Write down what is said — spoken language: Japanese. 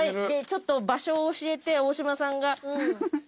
ちょっと場所を教えて大島さんが。